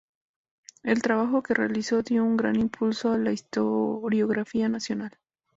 El trabajo que realizó dio un gran impulso a la historiografía nacional.